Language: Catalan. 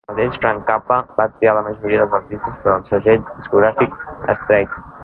El mateix Frank Zappa va triar la majoria dels artistes per al segell discogràfic Straight.